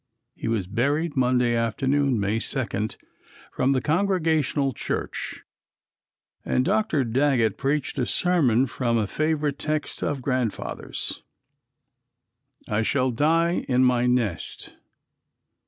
He was buried Monday afternoon, May 2, from the Congregational church, and Dr. Daggett preached a sermon from a favorite text of Grandfather's, "I shall die in my nest."